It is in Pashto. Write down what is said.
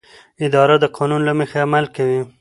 اداره د قانون له مخې عمل کوي.